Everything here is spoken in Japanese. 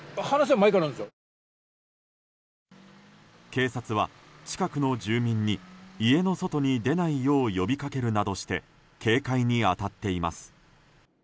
警察は近くの住民に家の外に出ないよう呼びかけるなどして警戒に当たっています。